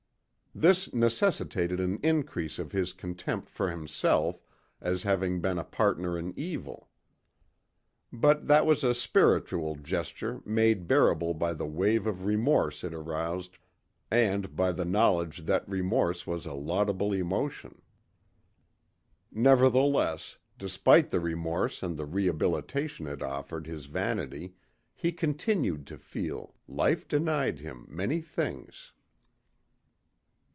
This necessitated an increase of his contempt for himself as having been a partner in evil. But that was a spiritual gesture made bearable by the wave of remorse it aroused and by the knowledge that remorse was a laudable emotion. Nevertheless, despite the remorse and the rehabilitation it offered his vanity, he continued to feel life denied him many things.